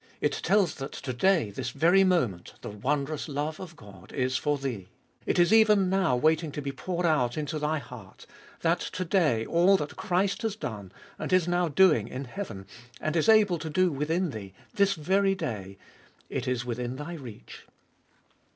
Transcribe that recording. It tells that To day, this very moment, the wondrous love of God is for thee — it is even now waiting to be poured out into thy heart ; that To day, all that Christ has done, and is now doing in heaven, and is able to do within thee — this very day, it is within thy reach.